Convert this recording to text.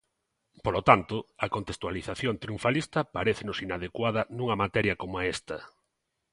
Polo tanto, a contextualización triunfalista parécenos inadecuada nunha materia coma esta.